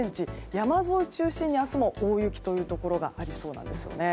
山沿いを中心に明日も大雪というところがありそうです。